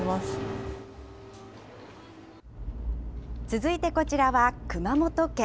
続いてこちらは熊本県。